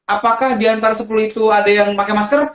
apakah diantara sepuluh itu ada yang pakai masker